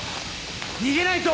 逃げないと。